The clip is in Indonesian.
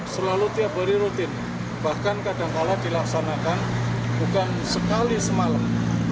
selalu tiap hari rutin bahkan kadangkala dilaksanakan bukan sekali semalam